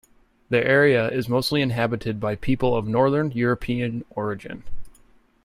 The area is mostly inhabited by people of Northern European origin.